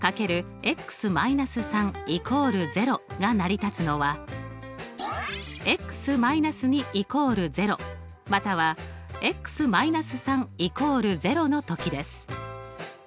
が成り立つのは−２＝０または−３＝０の時です